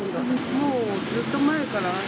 もう、ずっと前から。